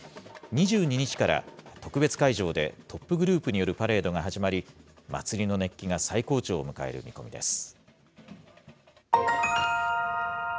２２日から、特別会場でトップグループによるパレードが始まり、祭りの熱気が最高潮を迎える見込みです。